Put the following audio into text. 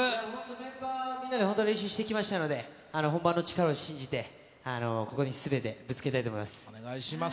メンバーみんなで本当練習してきましたので、本番の力を信じて、ここにすべてぶつけたいと思います。